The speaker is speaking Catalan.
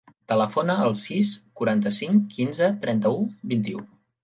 Telefona al sis, quaranta-cinc, quinze, trenta-u, vint-i-u.